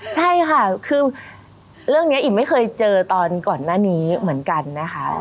ใช่ค่ะคือเรื่องนี้อิ๋มไม่เคยเจอตอนก่อนหน้านี้เหมือนกันนะคะ